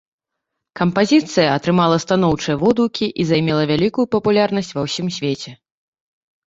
Кампазіцыя атрымала станоўчыя водгукі і займела вялікую папулярнасць ва ўсім свеце.